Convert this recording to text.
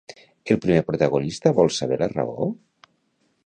El primer protagonista vol saber la raó?